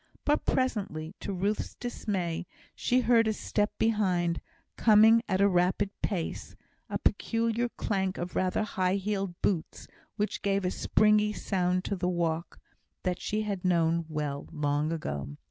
But presently, to Ruth's dismay, she heard a step behind, coming at a rapid pace, a peculiar clank of rather high heeled boots, which gave a springy sound to the walk, that she had known well long ago.